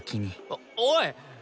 おおい！